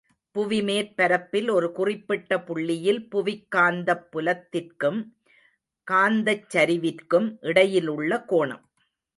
புவிமேற்பரப்பில் ஒரு குறிப்பிட்ட புள்ளியில் புவிக் காந்தப் புலத்திற்கும் காந்தச் சரிவிற்கும் இடையிலுள்ள கோணம்.